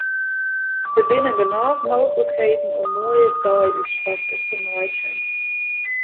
Der binne genôch mooglikheden om moaie deiútstapkes te meitsjen.